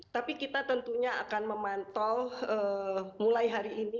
tapi kita tentunya akan memantau mulai hari ini